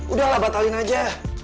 udahlah batalin aja